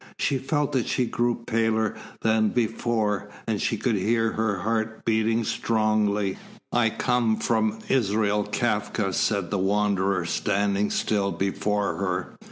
She felt that she grew paler than before, and she could hear her heart beating strongly. "I come from Israel Kafka," said the Wanderer, standing still before her.